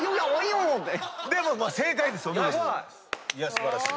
素晴らしい。